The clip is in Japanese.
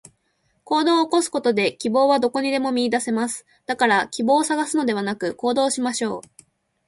行動を起こすことで、希望はどこにでも見いだせます。だから希望を探すのではなく、行動しましょう。